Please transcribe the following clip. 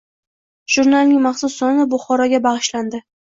Jurnalning maxsus soni Buxoroga bag‘ishlandi